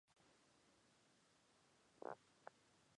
车载火焰喷射系统同样存在这一问题。